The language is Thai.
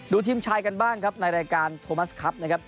ทีมชายกันบ้างครับในรายการโทมัสครับนะครับ